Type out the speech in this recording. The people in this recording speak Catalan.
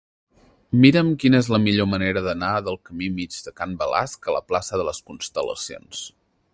Mira'm quina és la millor manera d'anar del camí Mig de Can Balasc a la plaça de les Constel·lacions.